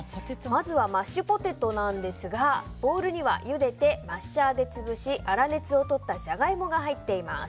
まずはマッシュポテトなんですがボウルにはゆでてマッシャーで潰し粗熱をとったジャガイモが入っています。